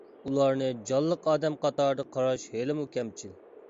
ئۇلارنى جانلىق ئادەم قاتارىدا قاراش ھېلىمۇ كەمچىل.